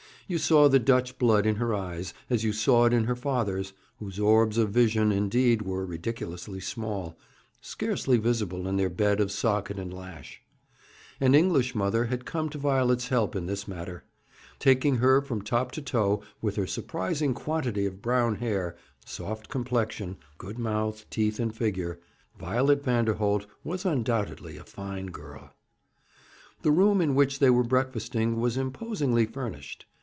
You saw the Dutch blood in her eyes, as you saw it in her father's, whose orbs of vision, indeed, were ridiculously small scarcely visible in their bed of socket and lash. An English mother had come to Violet's help in this matter. Taking her from top to toe, with her surprising quantity of brown hair, soft complexion, good mouth, teeth, and figure, Violet Vanderholt was undoubtedly a fine girl. The room in which they were breakfasting was imposingly furnished.